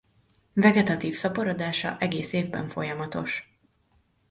Vegetatív szaporodása egész évben folyamatos.